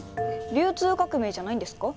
流通革命じゃないんですか？